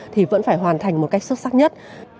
thì vẫn phải hoàn thành một cách xuất sắc nhất